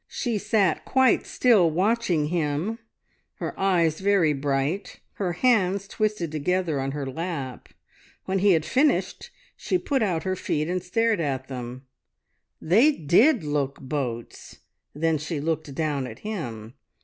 She sat quite still watching him, her eyes very bright, her hands twisted together on her lap. When he had finished she put out her feet and stared at them they did look boats! then she looked down at him.